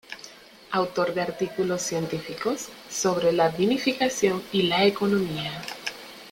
Autor de artículos científicos sobre la vinificación y la economía.